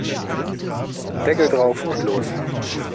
Deckel drauf und los!